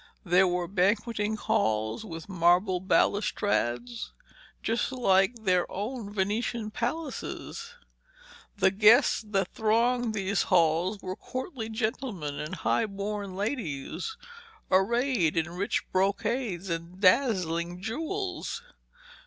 There were banqueting halls with marble balustrades just like their own Venetian palaces. The guests that thronged these halls were courtly gentlemen and high born ladies arrayed in rich brocades and dazzling jewels.